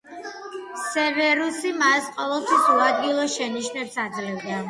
სევერუსი მას ყოველთვის უადგილო შენიშვნებს აძლევდა.